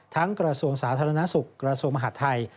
ทั้งกระทรวงสาธารณสุขกระทรวงมหาธัย